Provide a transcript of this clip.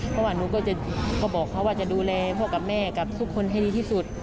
เพราะว่าหนูก็บอกเขาว่าจะดูแลพ่อกับแม่กับทุกคนให้ดีที่สุด